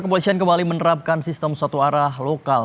lumpur dan kemudian kemudian kemudian kemudian kemudian kemudian